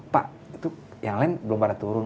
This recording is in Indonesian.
pak itu yang lain belum pada turun